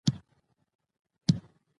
د احمدشاه بابا ژوند د مبارزې یو ښه مثال دی.